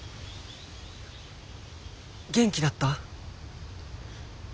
元気だった？